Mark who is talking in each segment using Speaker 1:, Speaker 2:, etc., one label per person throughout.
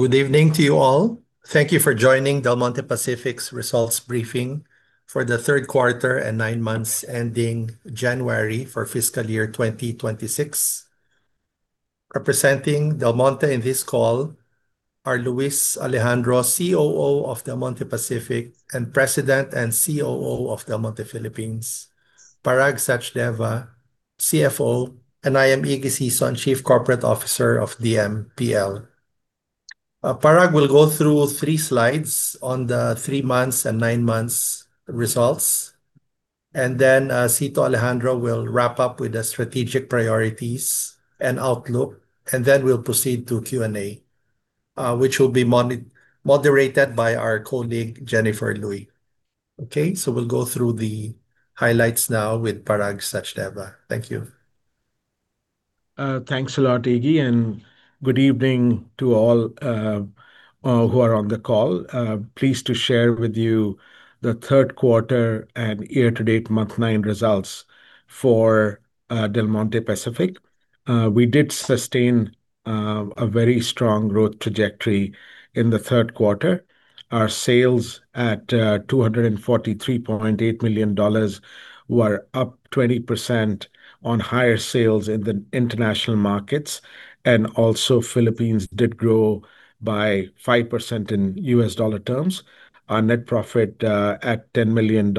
Speaker 1: Good evening to you all. Thank you for joining Del Monte Pacific's results briefing for the third quarter and nine months ending January for fiscal year 2026. Representing Del Monte in this call are Luis Alejandro, COO of Del Monte Pacific and President and COO of Del Monte Philippines; Parag Sachdeva, CFO; and I am Ige Sison, Chief Corporate Officer of DMPL. Parag will go through three slides on the three months and nine months results, and then Sito Alejandro will wrap up with the strategic priorities and outlook, and then we'll proceed to Q&A, which will be moderated by our colleague Jennifer Luy. Okay, we'll go through the highlights now with Parag Sachdeva. Thank you.
Speaker 2: Thanks a lot, Ige, and good evening to all who are on the call. Pleased to share with you the third quarter and nine months year-to-date results for Del Monte Pacific. We did sustain a very strong growth trajectory in the third quarter. Our sales at $243.8 million were up 20% on higher sales in the international markets, and also Philippines did grow by 5% in U.S. dollar terms. Our net profit at $10 million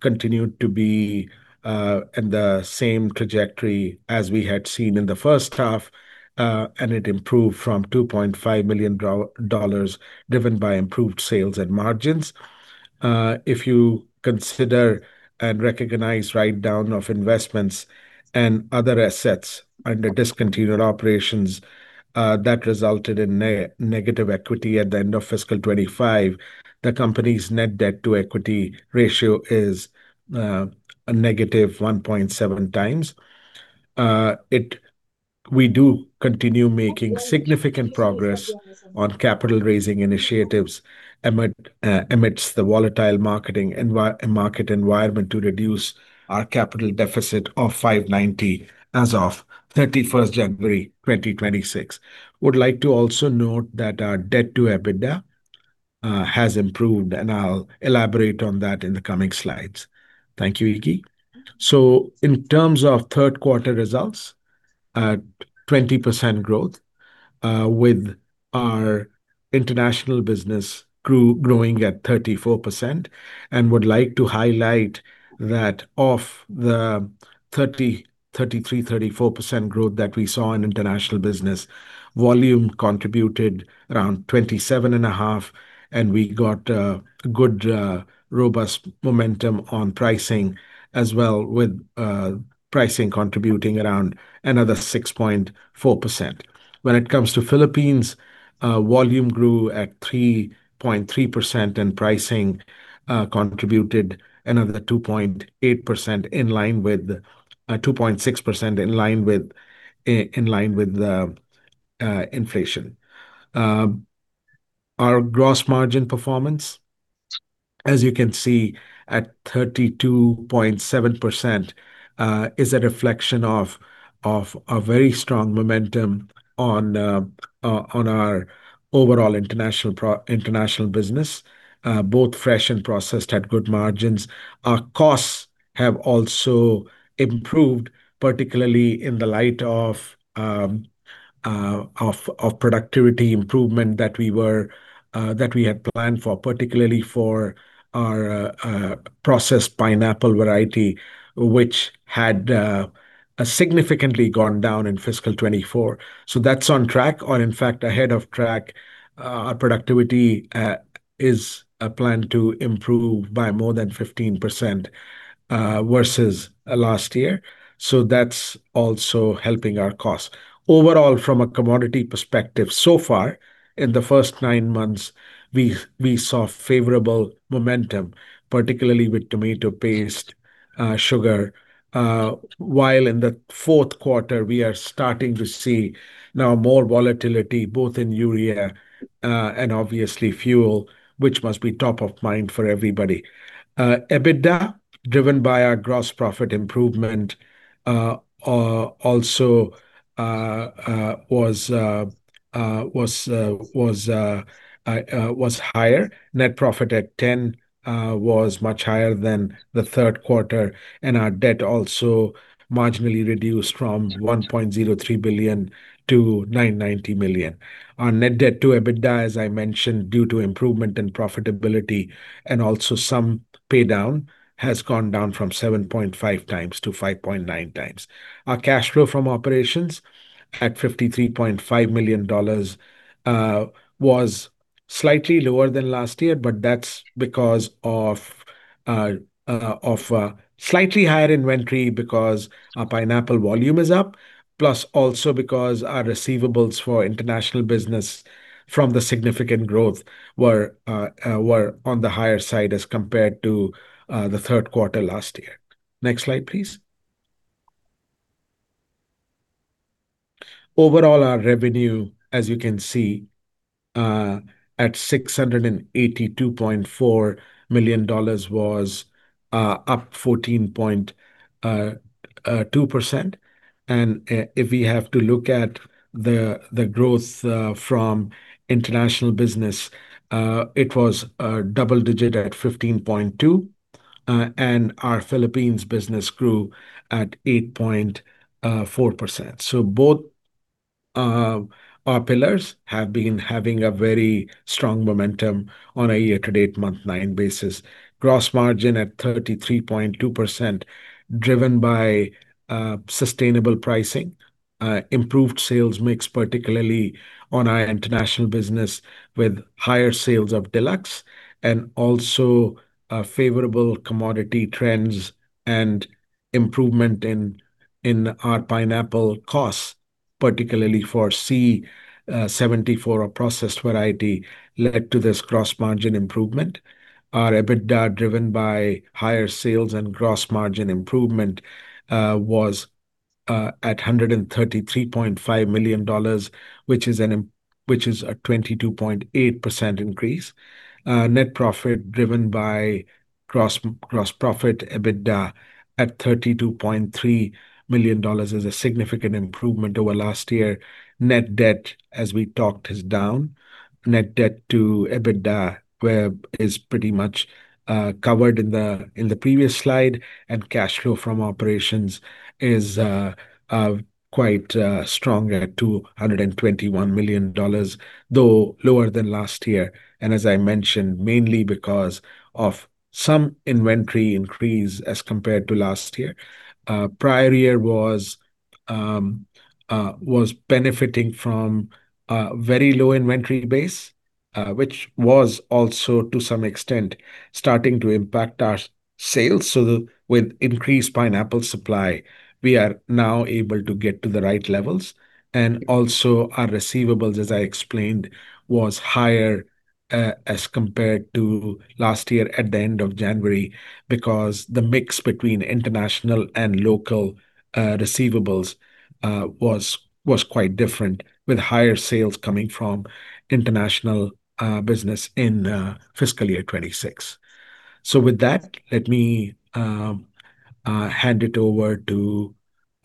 Speaker 2: continued to be in the same trajectory as we had seen in the first half, and it improved from $2.5 million, driven by improved sales and margins. If you consider and recognize write-down of investments and other assets under discontinued operations, that resulted in negative equity at the end of fiscal 2025, the company's net debt-to-equity ratio is a negative 1.7 times. We do continue making significant progress on capital raising initiatives amidst the volatile market environment to reduce our capital deficit of $590 as of 31st January 2026. Would like to also note that our debt to EBITDA has improved, and I'll elaborate on that in the coming slides. Thank you, Ige. In terms of third quarter results, at 20% growth, with our international business growing at 34%, would like to highlight that of the 34% growth that we saw in international business, volume contributed around 27.5, and we got good robust momentum on pricing as well, with pricing contributing around another 6.4%. When it comes to Philippines, volume grew at 3.3% and pricing contributed another 2.8% in line with 2.6% inflation. Our gross margin performance, as you can see at 32.7%, is a reflection of a very strong momentum on our overall international business. Both fresh and processed had good margins. Our costs have also improved, particularly in the light of productivity improvement that we had planned for, particularly for our processed pineapple variety, which had significantly gone down in Fiscal Year 2024. That's on track or, in fact, ahead of track. Our productivity is planned to improve by more than 15% versus last year, so that's also helping our costs. Overall, from a commodity perspective, so far in the first nine months, we saw favorable momentum, particularly with tomato paste, sugar, while in the fourth quarter, we are starting to see now more volatility, both in urea and obviously fuel, which must be top of mind for everybody. EBITDA, driven by our gross profit improvement, also was higher. Net profit at $10 million was much higher than the third quarter, and our debt also marginally reduced from $1.03 billion to $990 million. Our net debt to EBITDA, as I mentioned, due to improvement in profitability and also some pay down, has gone down from 7.5 times-5.9 times. Our cash flow from operations at $53.5 million was slightly lower than last year, but that's because of slightly higher inventory because our pineapple volume is up, plus also because our receivables for international business from the significant growth were on the higher side as compared to the third quarter last year. Next slide, please. Overall, our revenue, as you can see, at $682.4 million was up 14.2%. If we have to look at the growth from international business, it was double-digit at 15.2%. Our Philippines business grew at 8.4%. Both our pillars have been having a very strong momentum on a year-to-date month nine basis. Gross margin at 33.2%, driven by sustainable pricing, improved sales mix, particularly on our international business with higher sales of Deluxe, and also favorable commodity trends and improvement in our pineapple costs, particularly for C-74, our processed variety, led to this gross margin improvement. Our EBITDA, driven by higher sales and gross margin improvement, was at $133.5 million, which is a 22.8% increase. Net profit driven by gross profit EBITDA at $32.3 million is a significant improvement over last year. Net debt, as we talked, is down. Net debt to EBITDA is pretty much covered in the previous slide, and cash flow from operations is quite strong at $221 million, though lower than last year, and as I mentioned, mainly because of some inventory increase as compared to last year. Prior year was benefiting from a very low inventory base, which was also to some extent starting to impact our sales. With increased pineapple supply, we are now able to get to the right levels. Also our receivables, as I explained, was higher as compared to last year at the end of January because the mix between international and local receivables was quite different, with higher sales coming from international business in Fiscal Year 2026. With that, let me hand it over to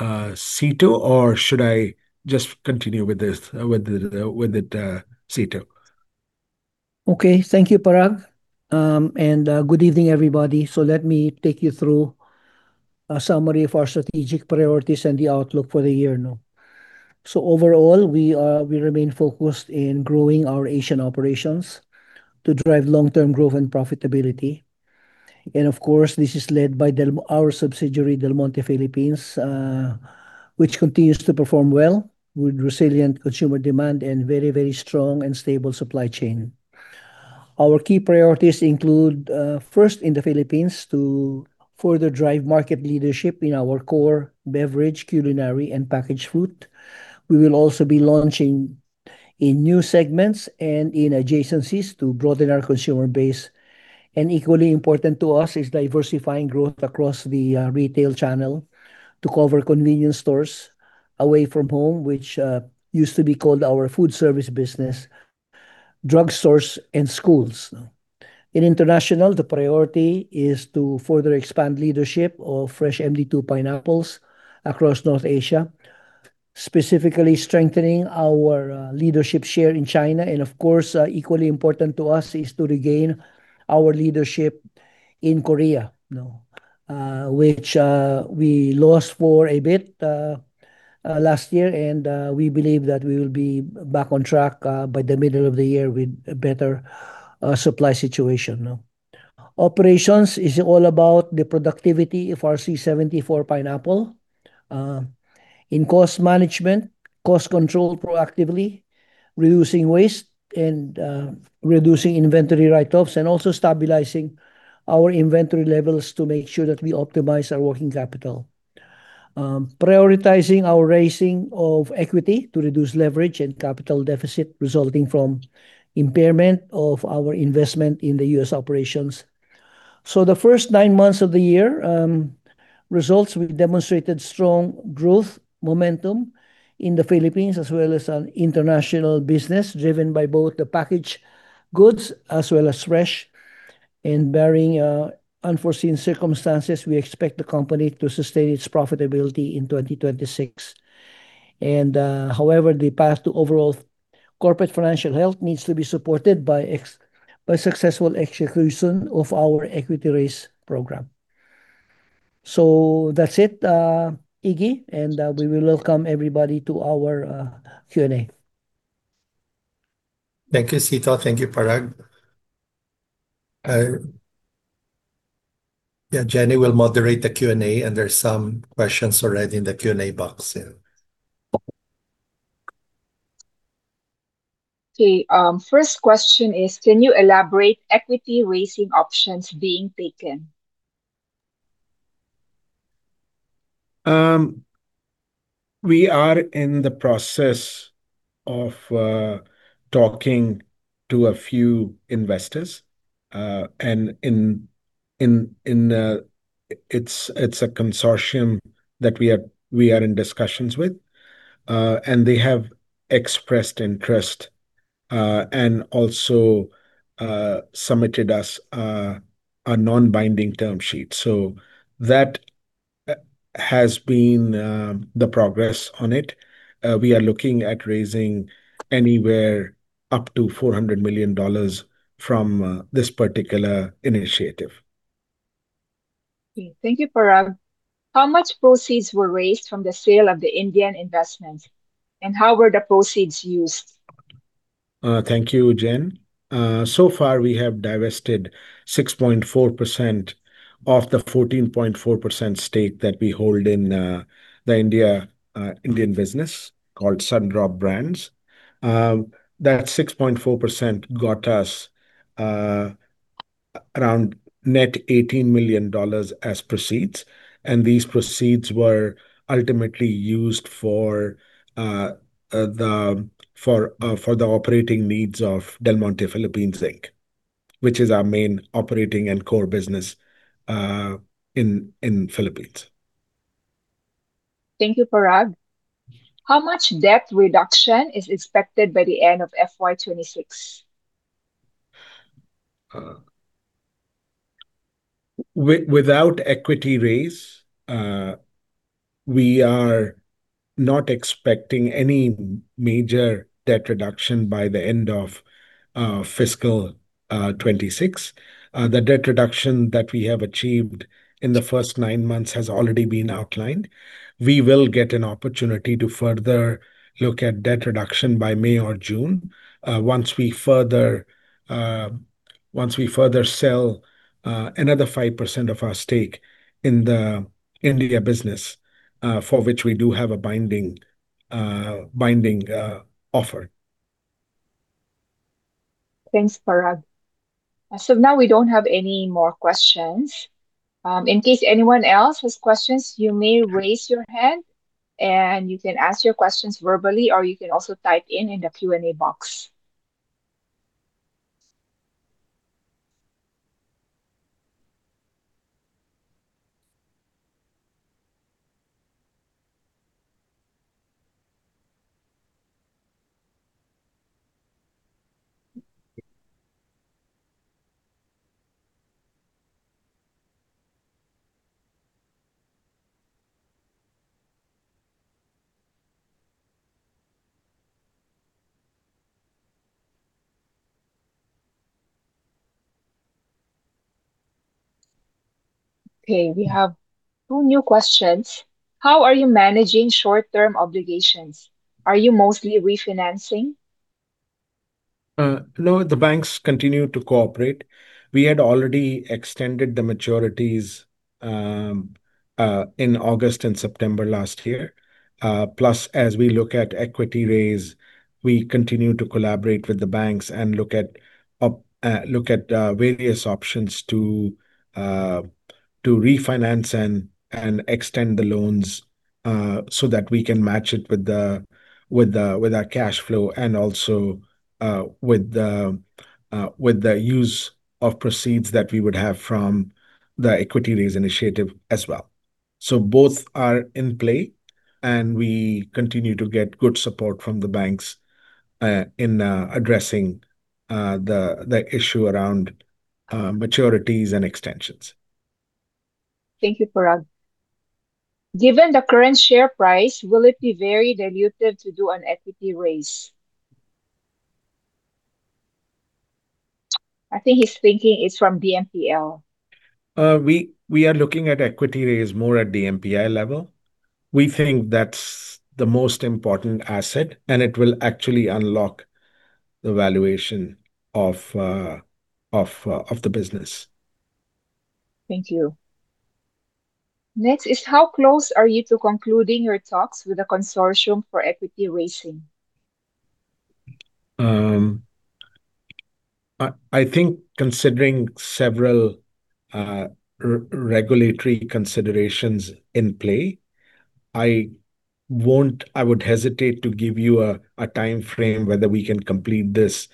Speaker 2: Sito, or should I just continue with it, Sito?
Speaker 3: Okay. Thank you, Parag. Good evening, everybody. Let me take you through a summary of our strategic priorities and the outlook for the year now. Overall, we remain focused in growing our Asian operations to drive long-term growth and profitability. Of course, this is led by our subsidiary, Del Monte Philippines, which continues to perform well with resilient consumer demand and very, very strong and stable supply chain. Our key priorities include first in the Philippines to further drive market leadership in our core beverage, culinary, and packaged food. We will also be launching in new segments and in adjacencies to broaden our consumer base. Equally important to us is diversifying growth across the retail channel to cover convenience stores away from home, which used to be called our food service business, drugstores, and schools. In international, the priority is to further expand leadership of fresh MD2 pineapples across North Asia, specifically strengthening our leadership share in China, and of course, equally important to us is to regain our leadership in Korea now, which we lost for a bit last year, and we believe that we will be back on track by the middle of the year with a better supply situation now. Operations is all about the productivity of our C-74 pineapple in cost management, cost control proactively, reducing waste and reducing inventory write-offs, and also stabilizing our inventory levels to make sure that we optimize our working capital. Prioritizing our raising of equity to reduce leverage and capital deficit resulting from impairment of our investment in the U.S. operations. The first nine months of the year results, we've demonstrated strong growth momentum in the Philippines as well as on international business, driven by both the packaged goods as well as fresh. Barring unforeseen circumstances, we expect the company to sustain its profitability in 2026. However, the path to overall corporate financial health needs to be supported by successful execution of our equity raise program. That's it, Ige, and we will welcome everybody to our Q&A.
Speaker 1: Thank you, Sito. Thank you, Parag. Yeah, Jenny will moderate the Q&A, and there's some questions already in the Q&A box.
Speaker 4: Okay, first question is, can you elaborate on equity raising options being taken?
Speaker 2: We are in the process of talking to a few investors and it's a consortium that we are in discussions with, and they have expressed interest and also submitted to us a non-binding term sheet. That has been the progress on it. We are looking at raising anywhere up to $400 million from this particular initiative.
Speaker 4: Okay. Thank you, Parag. How much proceeds were raised from the sale of the Indian investments, and how were the proceeds used?
Speaker 2: Thank you, Jen. So far we have divested 6.4% of the 14.4% stake that we hold in the Indian business called Sundrop brand. That 6.4% got us around net $18 million as proceeds, and these proceeds were ultimately used for the operating needs of Del Monte Philippines, Inc., which is our main operating and core business in Philippines.
Speaker 4: Thank you, Parag. How much debt reduction is expected by the end of FY26?
Speaker 2: Without equity raise, we are not expecting any major debt reduction by the end of fiscal 2026. The debt reduction that we have achieved in the first nine months has already been outlined. We will get an opportunity to further look at debt reduction by May or June, once we sell another 5% of our stake in the India business, for which we do have a binding offer.
Speaker 4: Thanks, Parag. Now we don't have any more questions. In case anyone else has questions, you may raise your hand, and you can ask your questions verbally or you can also type in the Q&A box. Okay, we have two new questions. How are you managing short-term obligations? Are you mostly refinancing?
Speaker 2: No, the banks continue to cooperate. We had already extended the maturities in August and September last year. Plus, as we look at equity raise, we continue to collaborate with the banks and look at various options to refinance and extend the loans so that we can match it with our cash flow and also with the use of proceeds that we would have from the equity raise initiative as well. Both are in play, and we continue to get good support from the banks in addressing the issue around maturities and extensions.
Speaker 4: Thank you, Parag. Given the current share price, will it be very dilutive to do an equity raise? I think he's thinking it's from DMPI.
Speaker 2: We are looking at equity raise more at DMPI level. We think that's the most important asset, and it will actually unlock the valuation of the business.
Speaker 4: Thank you. Next is, how close are you to concluding your talks with the consortium for equity raising?
Speaker 2: I think considering several regulatory considerations in play, I would hesitate to give you a timeframe whether we can complete this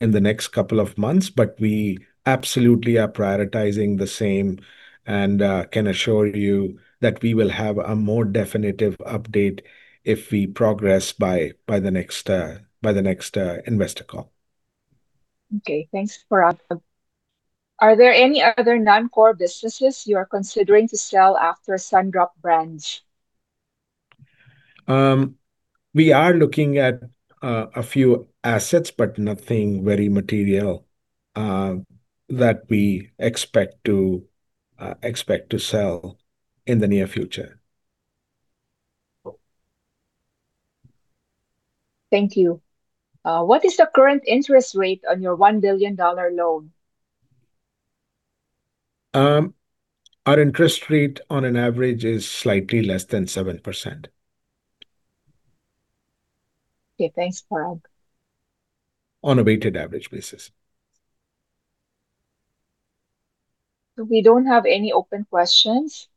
Speaker 2: in the next couple of months, but we absolutely are prioritizing the same and can assure you that we will have a more definitive update if we progress by the next investor call.
Speaker 4: Okay, thanks, Parag. Are there any other non-core businesses you are considering to sell after Sundrop brand?
Speaker 2: We are looking at a few assets, but nothing very material that we expect to sell in the near future.
Speaker 4: Thank you. What is the current interest rate on your $1 billion loan?
Speaker 2: Our interest rate on average is slightly less than 7%.
Speaker 4: Okay, thanks, Parag.
Speaker 2: On a weighted average basis.
Speaker 4: We don't have any open questions.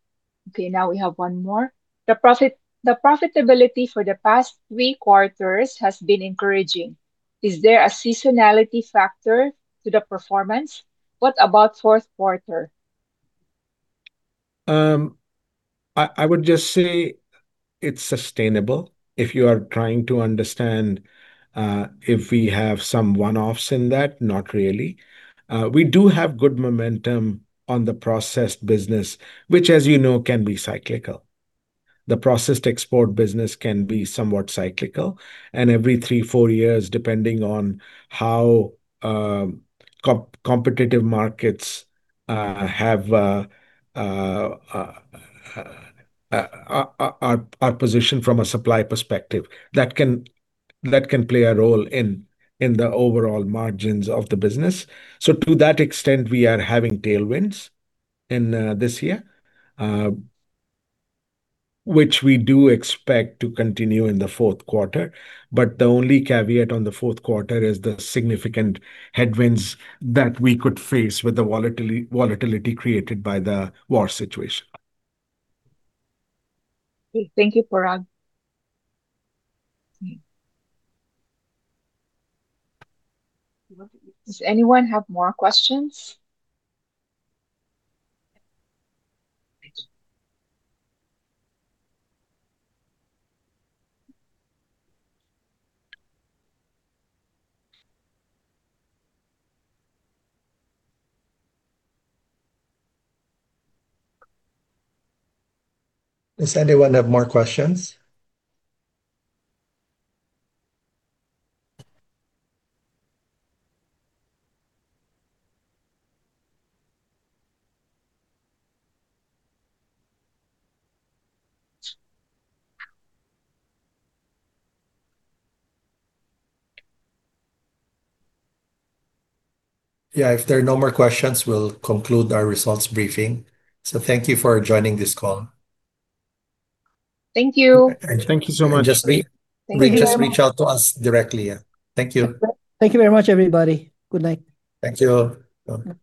Speaker 4: Okay, now we have one more. The profitability for the past three quarters has been encouraging. Is there a seasonality factor to the performance? What about fourth quarter?
Speaker 2: I would just say it's sustainable if you are trying to understand if we have some one-offs in that, not really. We do have good momentum on the processed business, which as you know, can be cyclical. The processed export business can be somewhat cyclical, and every three, four years, depending on how competitive markets have our position from a supply perspective, that can play a role in the overall margins of the business. To that extent, we are having tailwinds in this year, which we do expect to continue in the fourth quarter. The only caveat on the fourth quarter is the significant headwinds that we could face with the volatility created by the war situation.
Speaker 4: Thank you, Parag. Does anyone have more questions?
Speaker 1: Does anyone have more questions? Yeah, if there are no more questions, we'll conclude our results briefing. Thank you for joining this call.
Speaker 4: Thank you.
Speaker 2: Thank you so much.
Speaker 1: Just re-
Speaker 4: Thank you very much.
Speaker 1: Just reach out to us directly, yeah. Thank you.
Speaker 3: Thank you very much, everybody. Good night.
Speaker 1: Thank you. Bye.